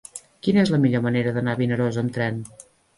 Quina és la millor manera d'anar a Vinaròs amb tren?